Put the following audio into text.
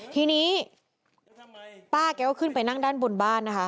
ทีนี้ป้าแกก็ขึ้นไปนั่งด้านบนบ้านนะคะ